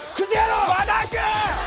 和田君！